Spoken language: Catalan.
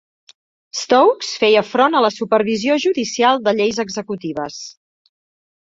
Stokes feia front a la supervisió judicial de lleis executives.